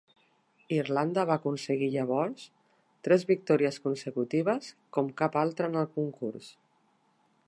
Irlanda va aconseguir llavors tres victòries consecutives com cap altre en el concurs.